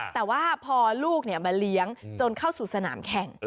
แต่ว่าพอลูกมาเลี้ยงจนเข้าสู่สนามแข่ง